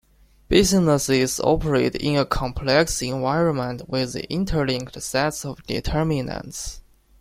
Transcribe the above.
Businesses operate in a complex environment with interlinked sets of determinants.